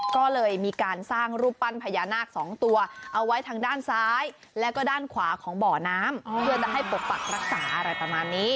ก็เลยมีการสร้างรูปปั้นพญานาคสองตัวเอาไว้ทางด้านซ้ายแล้วก็ด้านขวาของบ่อน้ำเพื่อจะให้ปกปักรักษาอะไรประมาณนี้